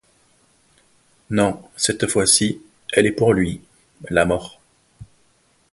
Non, cette fois-ci, elle est pour lui, la mort.